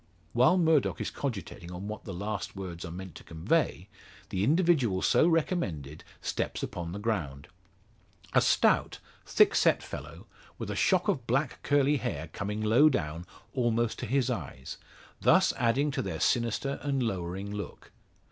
While Murdock is cogitating on what the last words are meant to convey, the individual so recommended steps upon the ground. A stout, thick set fellow, with a shock of black curly hair coming low down, almost to his eyes, thus adding to their sinister and lowering look.